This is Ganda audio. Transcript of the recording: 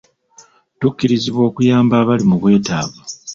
Tukubirizibwa okuyamba abali mu bwetaavu.